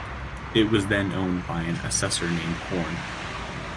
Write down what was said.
It was by then owned by an assessor named Horn.